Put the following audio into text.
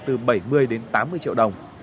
từ bảy mươi đến tám mươi triệu đồng